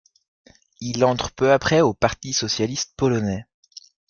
Il entre peu après au Parti socialiste polonais.